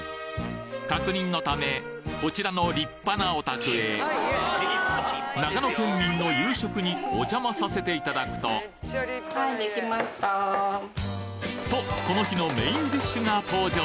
確認のためこちらの立派なお宅へ長野県民の夕食にお邪魔させていただくととこの日のメインディッシュが登場。